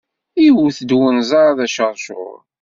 Iwet-d unẓar d aceṛcuṛ.